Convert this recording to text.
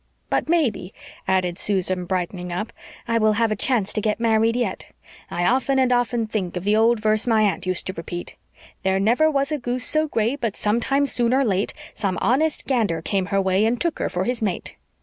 But maybe," added Susan, brightening up, "I will have a chance to get married yet. I often and often think of the old verse my aunt used to repeat: There never was a goose so gray but sometime soon or late Some honest gander came her way and took her for his mate!